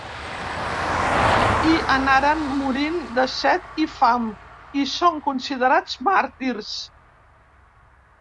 Hi anaren morint de set i fam, i són considerats màrtirs.